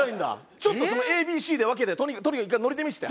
ちょっとそのＡＢＣで分けてとにかく１回ノリで見せて。